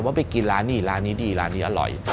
ไปกินร้านนี้ร้านนี้ดีร้านนี้อร่อย